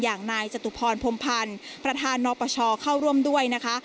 อย่างนายจตุพรพรมพันธ์ประธานนปชเข้าร่วมด้วยนะคะ